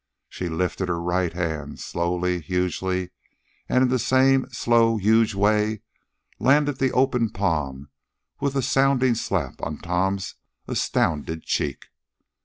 She lifted her right hand, slowly, hugely, and in the same slow, huge way landed the open palm with a sounding slap on Tom's astounded cheek.